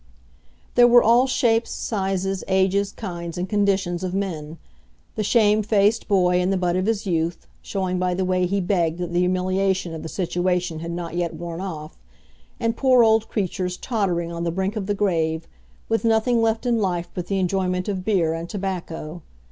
There were all shapes, sizes, ages, kinds, and conditions of men the shamefaced boy in the bud of his youth, showing by the way he begged that the humiliation of the situation had not yet worn off, and poor old creatures tottering on the brink of the grave, with nothing left in life but the enjoyment of beer and tobacco.